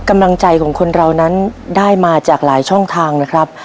กำลังใจของคนเรานั้นได้มาจากหลายช่องทางนะครับ